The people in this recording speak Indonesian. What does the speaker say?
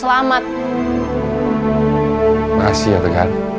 terima kasih yotegar